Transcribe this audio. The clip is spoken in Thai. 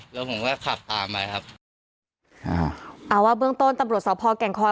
แล้วผมก็ขับตามไปครับอ่าเอาว่าเบื้องต้นตำรวจสอบพ่อแก่งคอย